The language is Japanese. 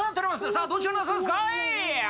さあどちらになさいますか？